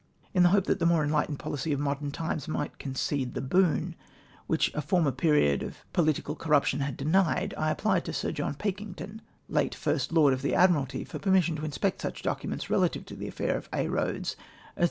In the hope that the more enhghtcned policy of modern times might concede the l)00ii, which a former period of political corruption had denied, I applied to Sir John Pakington, late Tirst Lord of the Admiralty, for permission to inspect such documents relative to the affair of Aix lioads as the Board might ])ossess.